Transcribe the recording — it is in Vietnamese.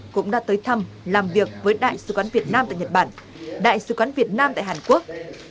cũng đã tới thăm làm việc với đại sứ quán việt nam tại nhật bản đại sứ quán việt nam tại hàn quốc